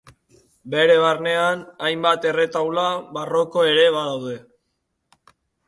Bere barnean hainbat erretaula barroko ere badaude.